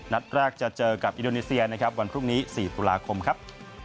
นัดแรกจะเจอกับอินโดนีเซียนะครับวันพรุ่งนี้๔ตุลาคมครับ